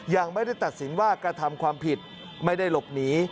ยังไม่ได้ตัดสินว่ากระทำความผิดไม่ได้หลบหนี